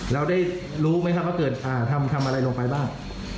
เราได้รู้ไหมครับว่าเกิดทำอะไรลงไปบ้าง